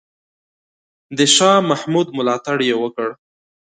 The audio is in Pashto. د شاه محمود ملاتړ یې وکړ.